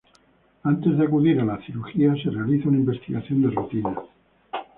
Antes de acudir a la cirugía se realiza una investigación de rutina.